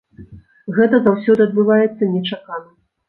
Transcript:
Гэта заўсёды адбываецца нечакана.